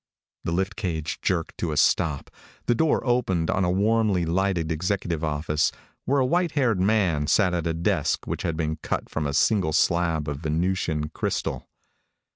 The lift cage jerked to a stop. The door opened on a warmly lighted executive office where a white haired man sat at a desk which had been cut from a single slab of Venusian crystal.